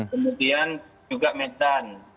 kemudian juga medan